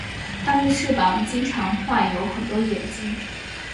他们的翅膀经常画有很多眼睛。